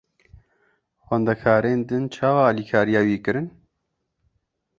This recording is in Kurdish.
Xwendekarên din çawa alîkariya wî kirin?